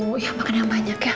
oh ya makan yang banyak ya